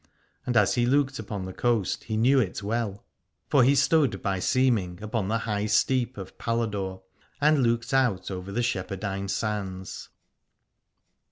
And as he looked upon the coast he knew it well : for 198 Aladore he stood by seeming upon the High Steep of Paladore, and looked out over the Shep herdine Sands.